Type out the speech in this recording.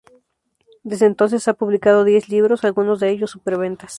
Desde entonces ha publicado diez libros, algunos de ellos superventas.